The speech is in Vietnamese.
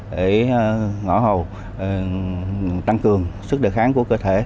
để ngõ hầu tăng cường sức đề kháng của cơ thể